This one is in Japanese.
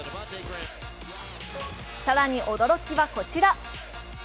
更に、驚きはこちら。